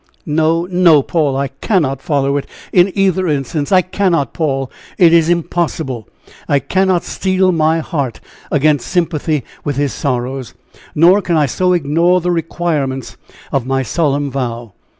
"No, no, Paul! I cannot follow it in either instance! I cannot, Paul! it is impossible! I cannot steel my heart against sympathy with his sorrows, nor can I so ignore the requirements of my solemn vow.